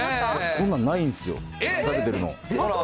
この中にないんですよ、食べてるの。